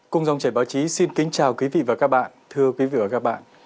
cùng dòng chảy báo chí xin kính chào quý vị và các bạn thưa quý vị và các bạn